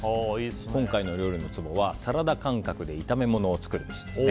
今回の料理のツボはサラダ感覚で炒め物を作るべし。